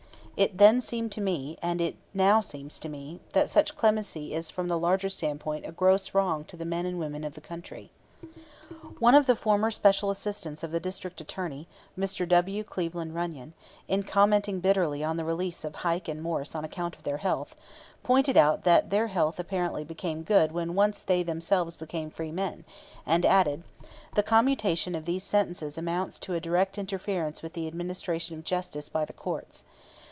It then seemed to me, and it now seems to me, that such clemency is from the larger standpoint a gross wrong to the men and women of the country. One of the former special assistants of the district attorney, Mr. W. Cleveland Runyon, in commenting bitterly on the release of Heike and Morse on account of their health, pointed out that their health apparently became good when once they themselves became free men, and added: "The commutation of these sentences amounts to a direct interference with the administration of justice by the courts.